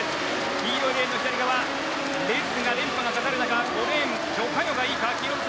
黄色いレーンの左側、レスが連覇がかかる中５レーン、ジョ・カヨがいいか。